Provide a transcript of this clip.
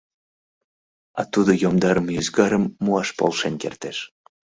А тудо йомдарыме ӱзгарым муаш полшен кертеш.